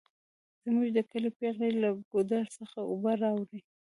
زمونږ د کلي پیغلې له ګودر څخه اوبه راوړي